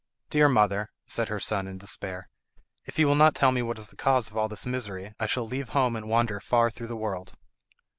"Dear mother," said her son in despair, "if you will not tell me what is the cause of all this misery I shall leave home and wander far through the world."